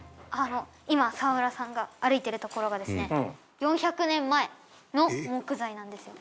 今沢村さんが歩いてる所がですね４００年前の木材なんですよ。